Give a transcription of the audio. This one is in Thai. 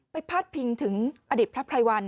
ไปพัดพิงถึงอดีตพระพลายวัน